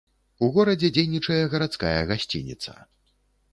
У горадзе дзейнічае гарадская гасцініца.